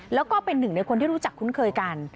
แล้วก็เป็นหนึ่งในคนที่รู้จักคุ้นเคยกัน